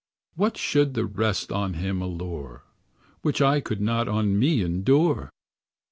Why should the vest on him allure, Which I could not on me endure?